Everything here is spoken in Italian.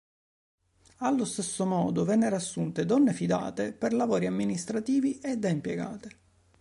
Allo stesso modo vennero assunte donne fidate per lavori amministrativi e da impiegate.